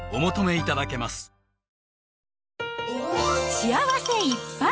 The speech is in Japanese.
幸せいっぱい！